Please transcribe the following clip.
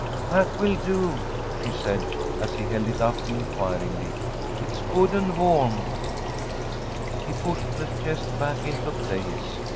"That will do," she said, as he held it up inquiringly. "It's good and warm." He pushed the chest back into place.